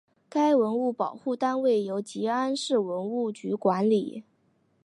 该文物保护单位由集安市文物局管理。